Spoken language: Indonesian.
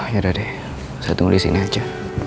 ya udah deh saya tunggu disini aja